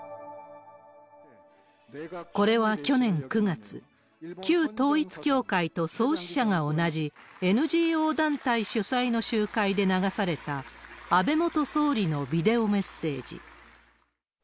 これは去年９月、旧統一教会と創始者が同じＮＧＯ団体主催の集会で流された、安倍元総理のビデオメッセージ。